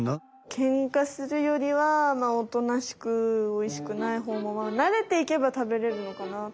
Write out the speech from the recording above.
ケンカするよりはまあおとなしくおいしくないほうもまあなれていけば食べれるのかなと。